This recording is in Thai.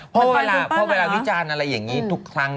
เพราะเวลาวิจารณ์อะไรอย่างนี้ทุกครั้ง